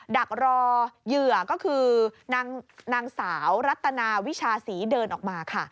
ดักรอเหยื่อก็คือนางสาวรัตนาวิชาศรีเดินออกมาค่ะ